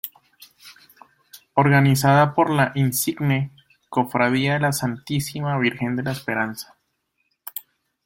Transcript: Organizada por la Insigne Cofradía de la Santísima Virgen de la Esperanza.